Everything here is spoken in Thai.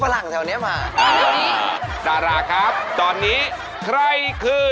แล้วทำไปแบบ